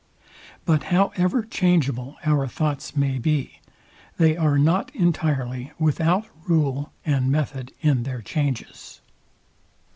But however changeable our thoughts may be, they are not entirely without rule and method in their changes.